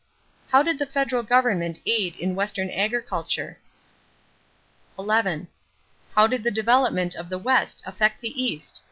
How did the federal government aid in western agriculture? 11. How did the development of the West affect the East?